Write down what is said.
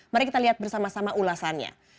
mari kita lihat bersama sama ulasannya